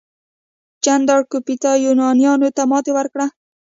چندراګوپتا یونانیانو ته ماتې ورکړه.